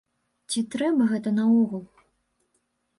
Ці трэба гэта наогул?